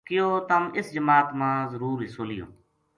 کہیو تم اس جماعت ما ضرور حصو لیوں